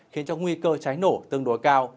khiến cho nguy cơ trái nổ tương đối cao